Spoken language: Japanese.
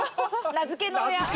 名付け親。